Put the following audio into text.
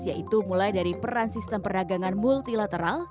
yaitu mulai dari peran sistem perdagangan multilateral